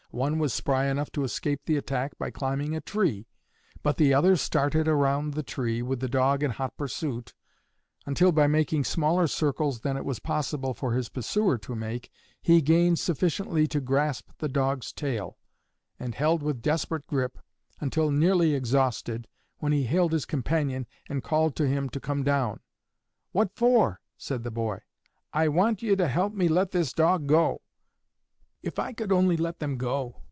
One was spry enough to escape the attack by climbing a tree; but the other started around the tree, with the dog in hot pursuit, until by making smaller circles than it was possible for his pursuer to make, he gained sufficiently to grasp the dog's tail, and held with desperate grip until nearly exhausted, when he hailed his companion and called to him to come down. 'What for?' said the boy. 'I want you to help me let this dog go.' If I could only let them go!"